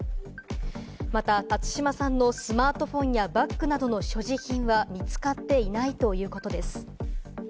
また辰島さんのスマートフォンやバッグなどの所持品は見つかっていないということです。